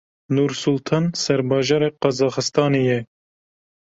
Nursultan serbajarê Qazaxistanê ye.